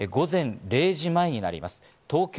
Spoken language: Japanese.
午前０時前になります。